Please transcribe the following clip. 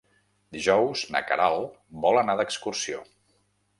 Dijous na Queralt vol anar d'excursió.